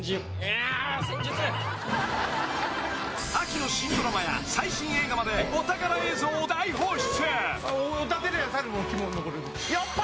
秋の新ドラマや最新映画までお宝映像を大放出！